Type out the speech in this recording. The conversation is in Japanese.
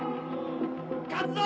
勝つぞ！